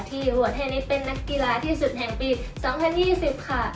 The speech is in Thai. หวดเฮนิสเป็นนักกีฬาที่สุดแห่งปี๒๐๒๐ค่ะ